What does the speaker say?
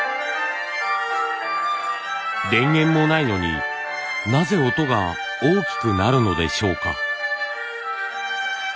電源もないのになぜ音が大きくなるのでしょうか。